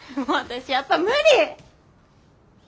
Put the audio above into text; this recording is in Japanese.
もう私やっぱ無理！